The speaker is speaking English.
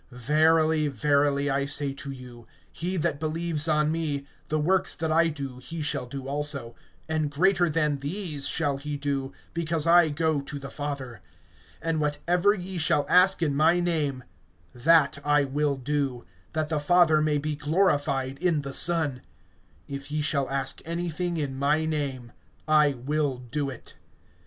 (12)Verily, verily, I say to you, he that believes on me, the works that I do he shall do also, and greater than these shall he do, because I go to the Father. (13)And whatever ye shall ask in my name, that I will do, that the Father may be glorified in the Son. (14)If ye shall ask anything in my name, I will do it.